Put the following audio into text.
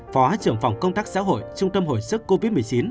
phó trưởng phòng công tác xã hội trung tâm hồi sức covid một mươi chín